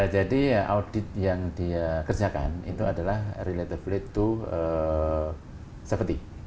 jadi audit yang dikerjakan itu adalah relatifly to safety